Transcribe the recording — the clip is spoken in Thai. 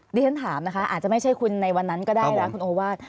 ที่ฉันถามนะคะอาจจะไม่ใช่คุณในวันนั้นก็ได้นะคุณโอวาส